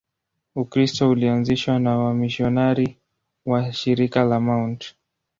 Ukristo ulianzishwa na wamisionari wa Shirika la Mt.